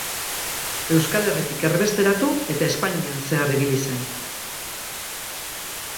Euskal Herritik erbesteratu eta Espainian zehar ibili zen.